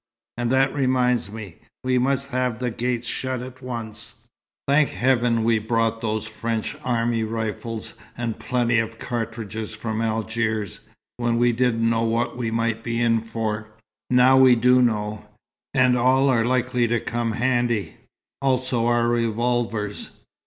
And that reminds me, we must have the gates shut at once. Thank heaven we brought those French army rifles and plenty of cartridges from Algiers, when we didn't know what we might be in for. Now we do know; and all are likely to come handy. Also our revolvers."